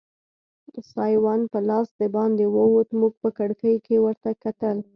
سایوان په لاس دباندې ووت، موږ په کړکۍ کې ورته کتل.